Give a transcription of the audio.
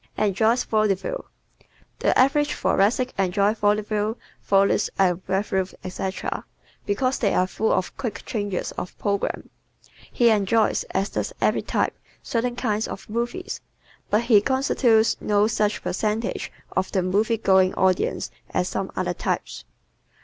Enjoys Vaudeville ¶ The average Thoracic enjoys vaudeville, Follies, revues, etc., because they are full of quick changes of program. He enjoys, as does every type, certain kinds of movies, but he constitutes no such percentage of the movie going audience as some other types.